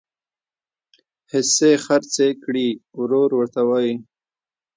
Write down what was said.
حصي خرڅي کړي ورور ورته وایي